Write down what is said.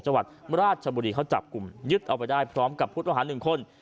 จังหวัดราชบุรีเขาจับกลุ่มยึดเอาไปได้พร้อมกับผู้ต้องหาหนึ่งคน